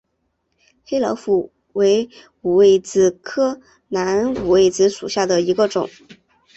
黑老虎为五味子科南五味子属下的一个种。